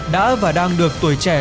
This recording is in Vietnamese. đã và đang được tuổi trẻ